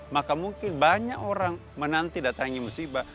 maka mungkin banyak orang menanti datangnya musibah